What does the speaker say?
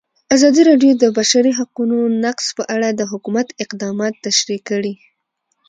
ازادي راډیو د د بشري حقونو نقض په اړه د حکومت اقدامات تشریح کړي.